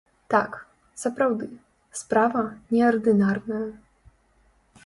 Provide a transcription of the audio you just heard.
Так, сапраўды, справа неардынарная.